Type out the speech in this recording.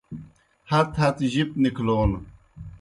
ہت ہت جب نِکھلون